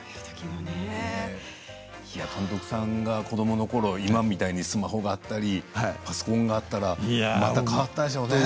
監督さんが子どものころ今みたいにスマホやパソコンがあったらまた変わったでしょうね。